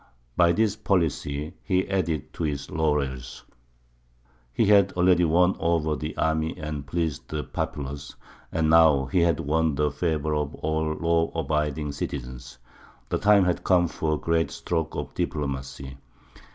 By this policy he added to his laurels; he had already won over the army and pleased the populace, and now he had won the favour of all law abiding citizens. The time had come for a great stroke of diplomacy.